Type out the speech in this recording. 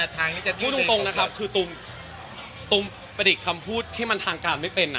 จะพูดตรงนะครับคือตูมประดิษฐ์คำพูดที่มันทางการไม่เป็น